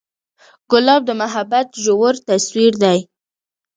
ګلاب د محبت ژور تصویر دی.